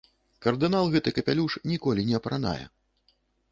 Кардынал гэты капялюш ніколі не апранае.